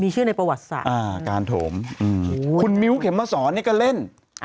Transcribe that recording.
มีชื่อในประวัติศาสตร์การโถมคุณมิ้วเข็มมาสอนนี่ก็เล่น